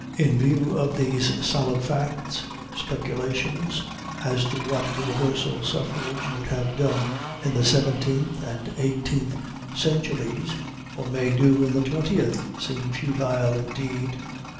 In view of these solid facts, speculations as to what universal suffrage would have done in the seventeenth and eighteenth centuries, or may do in the twentieth, seem futile indeed.